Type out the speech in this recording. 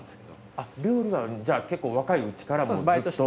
あっ料理はじゃあ結構若いうちからもうずっと。